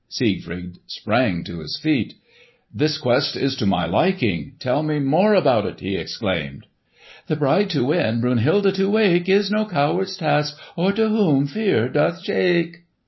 Siegfried sprang to his feet. "This quest is to my liking! Tell me more about it!" he exclaimed. "The bride to win, Brunhilde to wake, Is no coward's task, Or whom fear doth shake."